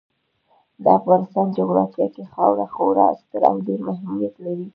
د افغانستان جغرافیه کې خاوره خورا ستر او ډېر اهمیت لري.